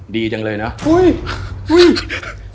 ดีจังเลยเนอะ